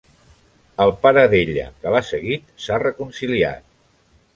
El pare d'ella, que l'ha seguit, s'ha reconciliat.